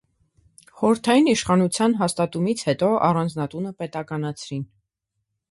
Խորհրդային իշխանության հաստատումից հետո առանձնատունը պետականացրին։